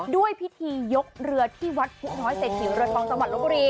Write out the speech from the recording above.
ด้วยพิธียกเรือที่วัดมุขน้อยเสร็จที่โรยปองตรละทบุรี